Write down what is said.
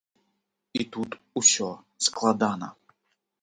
І тут усё складна.